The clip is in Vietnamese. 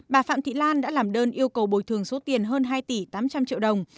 bà phạm thị lan đã làm đơn yêu cầu bồi thường số tiền hơn hai tỷ tám trăm linh triệu đồng